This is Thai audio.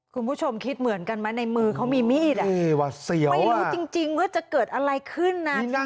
คุณผู้ชมคิดเหมือนกันไหมในมือเขามีมีดไม่รู้จริงว่าจะเกิดอะไรขึ้นนะ